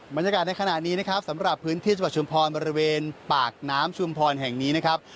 บรรยากาศในขณะนี้นะครับสำหรับพื้นที่จังหวัดชุมพรบริเวณปากน้ำชุมพรแห่งนี้นะครับ